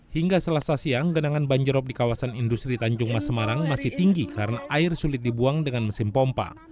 hingga selasa siang genangan banjirop di kawasan industri tanjung mas semarang masih tinggi karena air sulit dibuang dengan mesin pompa